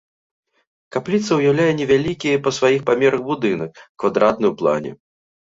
Капліца ўяўляе невялікі па сваіх памерах будынак, квадратны ў плане.